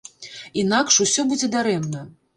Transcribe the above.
Інакш усё будзе дарэмна.